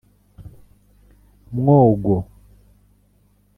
Mwogo